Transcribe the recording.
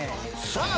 さあ